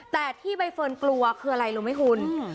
แต่ที่ใบเฟิร์นกลัวคืออะไรรู้ไหมคุณ